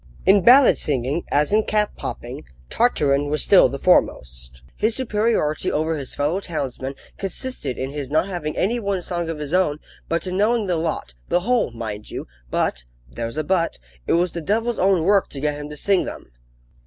In ballad singing, as in cap popping, Tartarin was still the foremost. His superiority over his fellow townsmen consisted in his not having any one song of his own, but in knowing the lot, the whole, mind you! But there's a but it was the devil's own work to get him to sing them.